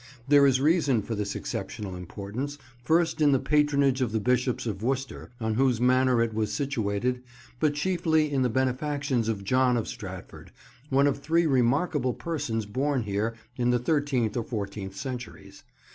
There is reason for this exceptional importance, first in the patronage of the Bishops of Worcester, on whose manor it was situated, but chiefly in the benefactions of John of Stratford, one of three remarkable persons born here in the thirteenth or fourteenth centuries.